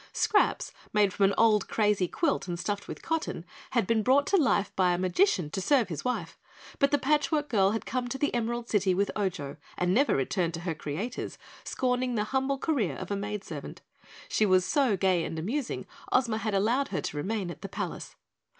Scraps, made from an old crazy quilt and stuffed with cotton, had been brought to life by a magician to serve his wife, but the Patch Work Girl had come to the Emerald City with Ojo and never returned to her creators, scorning the humble career of a maid servant. She was so gay and amusing Ozma had allowed her to remain at the palace.